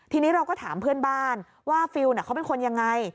ทีนี้เราก็ถามเพื่อนบ้านว่าฟิลล์เขาเป็นคนยังไง